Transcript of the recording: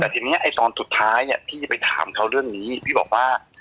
แต่ทีนี้ไอ้ตอนสุดท้ายเนี่ยพี่จะไปถามเขาเรื่องนี้พี่บอกว่า